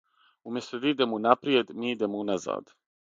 Умјесто да идемо унапријед, ми идемо уназад.